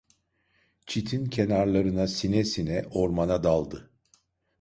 Çitin kenarlarına sine sine ormana daldı.